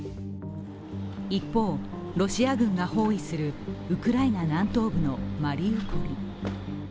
一方、ロシア軍が包囲するウクライナ南東部のマリウポリ。